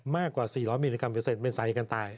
มากกว่า๔๐๐มิลลิกรัเปอร์เซ็นเป็นสาเหตุการตาย